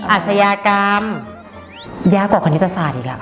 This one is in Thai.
อาชญากรรมยากกว่าคณิตศาสตร์อีกเหรอค